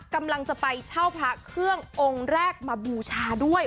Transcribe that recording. กำลังจะไปเช่าพระเครื่ององค์แรกมาบูชาด้วย